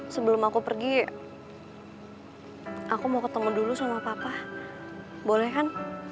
sebelum aku pergi aku mau ketemu dulu sama papa boleh kan